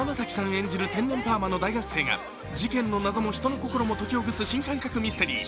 演じる天然パーマの大学生が事件の謎も人の心も解きほぐす新感覚ミステリー。